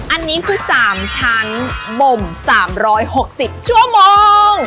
อันนี้คือ๓ชั้นบ่ม๓๖๐ชั่วโมง